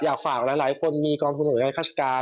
อยากฝากหลายคนมีกองทุนของการคาชการ